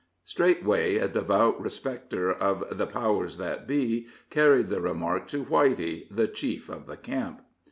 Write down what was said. Straightway a devout respecter of the "powers that be" carried the remark to Whitey, the chief of the camp.